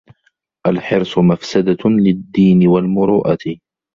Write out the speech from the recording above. الْحِرْصُ مَفْسَدَةٌ لِلدِّينِ وَالْمُرُوءَةِ